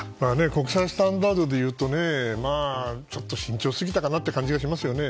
国際スタンダードでいうとちょっと慎重すぎたかなって感じがしますよね。